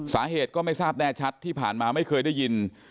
สาเหตุก็ไม่ทราบแน่ชัดที่ผ่านมาไม่เคยได้ยิน